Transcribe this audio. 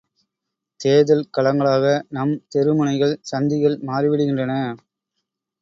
தேர்தல் களங்களாக நம் தெரு முனைகள் சந்திகள் மாறிவிடுகின்றன.